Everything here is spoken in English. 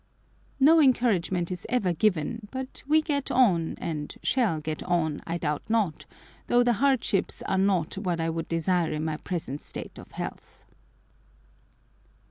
No encouragement is ever given, but we get on, and shall get on, I doubt not, though the hardships are not what I would desire in my present state of health.